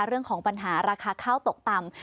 เรื่องของปัญหาราคาข้าวตกต่ำ